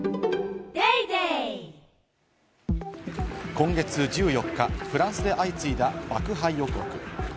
今月１４日、フランスで相次いだ爆破予告。